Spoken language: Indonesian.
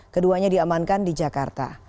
keduanya diamankan di jakarta